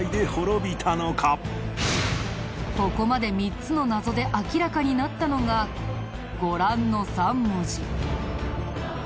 ここまで３つの謎で明らかになったのがご覧の３文字。